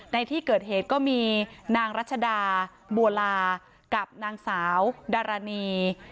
ในที่เกิดเหตุก็มีนางรัชดาบัวลากับนางสาวดารณี